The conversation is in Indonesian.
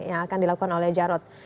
yang akan dilakukan oleh jarod